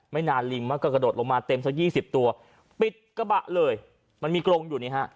นานลิงมันก็กระโดดลงมาเต็มสักยี่สิบตัวปิดกระบะเลยมันมีกรงอยู่นี่ฮะ